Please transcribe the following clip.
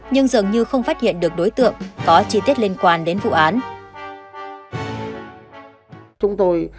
nhưng dường như không phát hiện được đối tượng có chi tiết liên quan đến vụ án